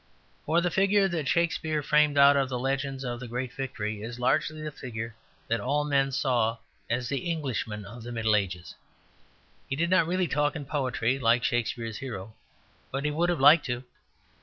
For the figure that Shakespeare framed out of the legends of the great victory is largely the figure that all men saw as the Englishman of the Middle Ages. He did not really talk in poetry, like Shakespeare's hero, but he would have liked to.